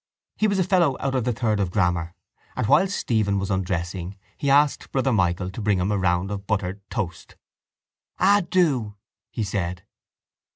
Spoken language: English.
He was a fellow out of the third of grammar and, while Stephen was undressing, he asked Brother Michael to bring him a round of buttered toast. —Ah, do! he said.